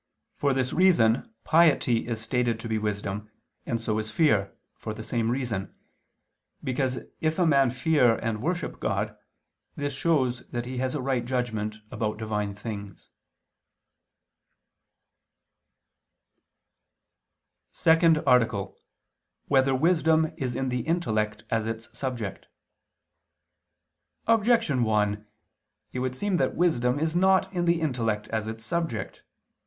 For this reason piety is stated to be wisdom, and so is fear, for the same reason, because if a man fear and worship God, this shows that he has a right judgment about Divine things. _______________________ SECOND ARTICLE [II II, Q. 45, Art. 2] Whether Wisdom Is in the Intellect As Its Subject? Objection 1: It would seem that wisdom is not in the intellect as its subject.